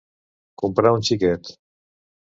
Comprar un xiquet.